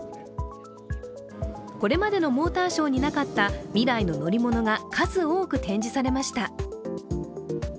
これまでのモーターショーになかった未来の乗り物が数多く展示されました。